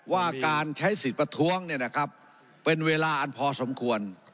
ว่าการใช้สิทธิ์ประท้วงเนี่ยนะครับเป็นเวลาอันพอสมควร